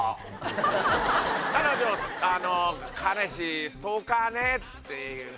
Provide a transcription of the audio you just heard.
彼女を「彼氏ストーカーね」っていう。